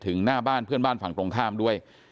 หน้าบ้านเพื่อนบ้านฝั่งตรงข้ามด้วย